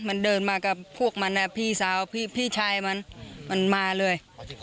มันเดินมากับพวกมันพี่สาวพี่ชายมันมันมาเลย